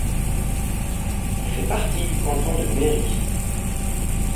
Elle fait partie du canton de Meri.